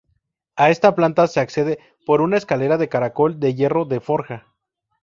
A esta planta se accede por una escalera de caracol de hierro de forja.